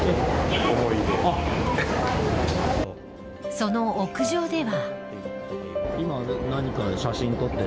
その屋上では。